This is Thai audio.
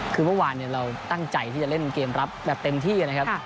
คือเมื่อวานเราตั้งใจที่จะเล่นเกมรับแบบเต็มที่นะครับ